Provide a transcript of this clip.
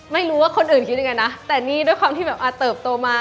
ไม่รู้ว่าคนอื่นคิดยังไงนะแต่นี่ด้วยความที่แบบเติบโตมา